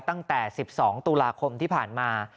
ตั้งแต่๑๒ตุลาคมที่ผ่านมา